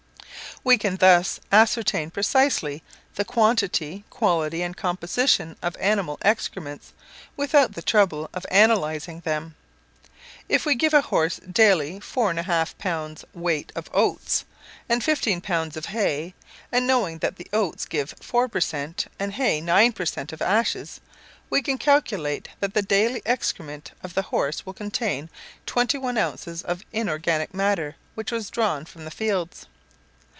We can thus ascertain precisely the quantity, quality, and composition of animal excrements, without the trouble of analysing them. If we give a horse daily 4 1/2 pounds' weight of oats, and 15 pounds of hay, and knowing that oats give 4 per cent. and hay 9 per cent. of ashes, we can calculate that the daily excrements of the horse will contain 21 ounces of inorganic matter which was drawn from the fields.